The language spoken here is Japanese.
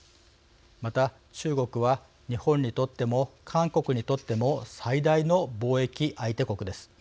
また、中国は日本にとっても韓国にとっても最大の貿易相手国です。